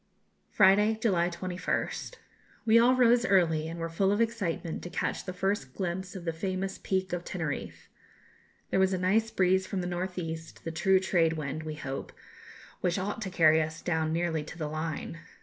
Friday, July 21st. We all rose early, and were full of excitement to catch the first glimpse of the famous Peak of Teneriffe. There was a nice breeze from the north east, the true trade wind, we hope, which ought to carry us down nearly to the Line.